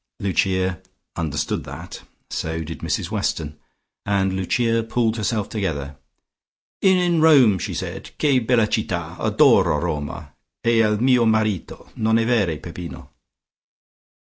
Lucia understood that: so did Mrs Weston, and Lucia pulled herself together. "In Rome," she said. "_Che bella citta! Adoro Roma, e il mio marito. Non e vere, Peppino?